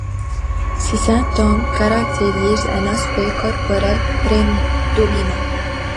Ces symptômes caractérisent un aspect corporel prédominant.